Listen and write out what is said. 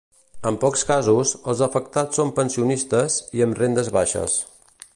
En pocs casos, els afectats són pensionistes i amb rendes baixes.